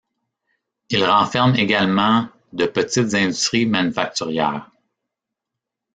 Il renferme également de petites industries manufacturières.